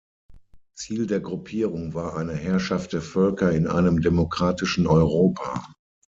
Ziel der Gruppierung war eine „Herrschaft der Völker“ in einem demokratischen Europa.